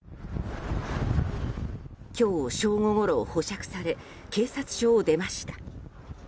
今日正午ごろ保釈され警察署を出ました。